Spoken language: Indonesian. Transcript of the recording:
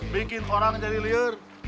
bikin orang jadi lilin